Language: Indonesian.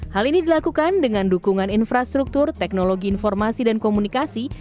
hal ini dilakukan dengan dukungan infrastruktur teknologi informasi dan komunikasi